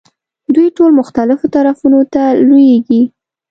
دوی ټول مختلفو طرفونو ته لویېږي.